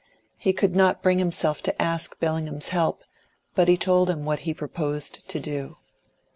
He could not bring himself to ask Bellingham's help, but he told him what he proposed to do.